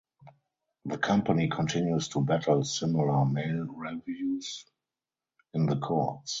The company continues to battle similar male revues in the courts.